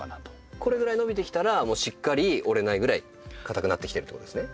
これぐらい伸びてきたらしっかり折れないぐらい硬くなってきてるってことですね。